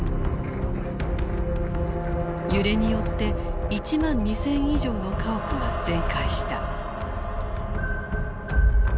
揺れによって１万２，０００以上の家屋が全壊した。